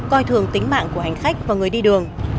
coi thường tính mạng của hành khách và người đi đường